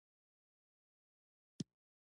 فکر په اغیزناکه توګه ولیکي.